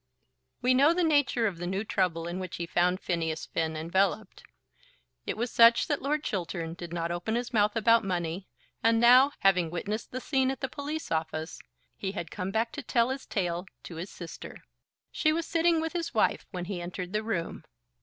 We know the nature of the new trouble in which he found Phineas Finn enveloped. It was such that Lord Chiltern did not open his mouth about money, and now, having witnessed the scene at the police office, he had come back to tell his tale to his sister. She was sitting with his wife when he entered the room.